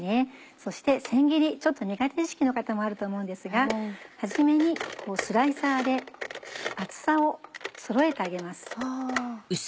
そしてせん切りちょっと苦手意識の方もあると思うんですが始めにスライサーで厚さをそろえてあげます。